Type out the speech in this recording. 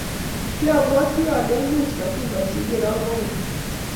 Kiabwoti ole imuch matimach igero kokeny.